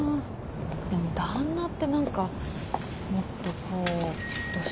でも旦那って何かもっとこうどっしりと。